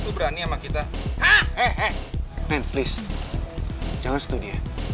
berani sama kita jangan studi